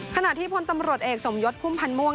ขณะที่พลตำรวจเอกสมยศพุ่มพันธ์ม่วง